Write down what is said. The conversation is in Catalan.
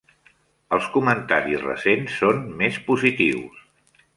Els comentaris recents són més positius.